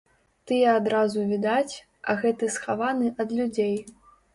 Тыя адразу відаць, а гэты схаваны ад людзей.